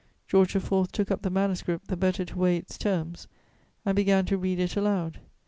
George IV. took up the manuscript, the better to weigh its terms, and began to read it aloud.